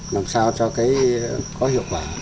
năm sau cho có hiệu quả